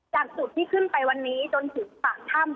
จากจุดที่ขึ้นไปวันนี้จนถึงปากถ้ำ